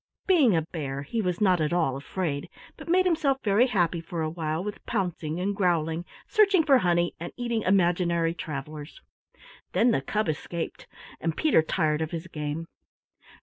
Being a bear, he was not at all afraid, but made himself very happy for a while with pouncing and growling, searching for honey, and eating imaginary travelers. Then the cub escaped, and Peter tired of his game.